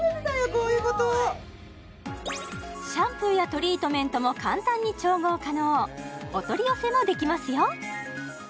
こういうことシャンプーやトリートメントも簡単に調合可能お取り寄せもできますよ